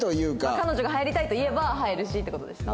彼女が入りたいと言えば入るしって事ですか？